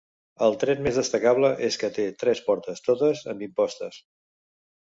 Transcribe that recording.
El tret més destacable és que té tres portes, totes amb impostes.